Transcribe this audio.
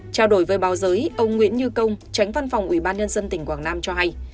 trao đổi với báo giới ông nguyễn như công tránh văn phòng ủy ban nhân dân tỉnh quảng nam cho hay